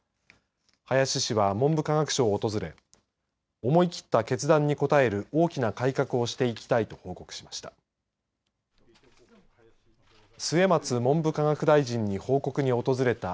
林氏は文部科学省を訪れ思い切った決断に応える大きな改革をしていきたいと報告しました。